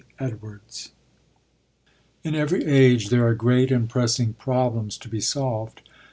EDWARDS In every age there are great and pressing problems to be solved.